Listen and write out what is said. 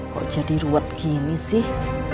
kok jadi ruwet gini sih